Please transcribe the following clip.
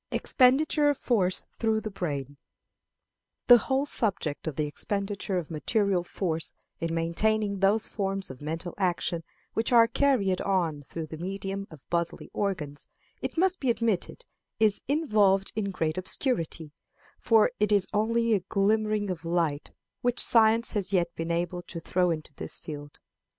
Expenditure of Force through the Brain. The whole subject of the expenditure of material force in maintaining those forms of mental action which are carried on through the medium of bodily organs, it must be admitted, is involved in great obscurity; for it is only a glimmering of light which science has yet been able to throw into this field.